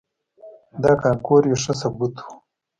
دا کانکور یې ښه ثبوت و.